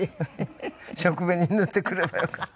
食紅塗ってくればよかった。